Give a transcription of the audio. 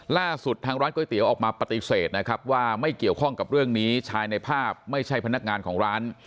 ล่าสุดทางร้านก๋วยเตี๋ยวออกมาปฏิเสธนะครับว่าไม่เกี่ยวข้องกับเรื่องนี้ชายในภาพไม่ใช่พนักงานของร้าน